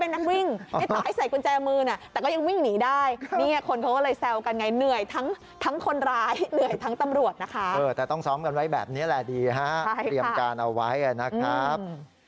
เตรียมการเอาไว้นะครับ